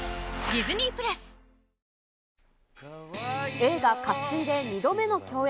映画、渇水で２度目の共演。